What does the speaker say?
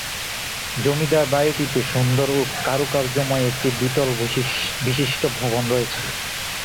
জমিদার বাড়িটিতে সুন্দর ও কারুকার্যময় একটি দ্বিতল বিশিষ্ট্য ভবন রয়েছে।